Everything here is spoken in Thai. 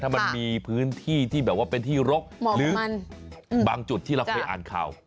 ถ้ามันมีพื้นที่ที่แบบว่าเป็นที่รกหรือบางจุดที่เราเคยอ่านข่าว